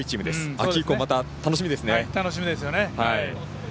秋以降がまた楽しみですね。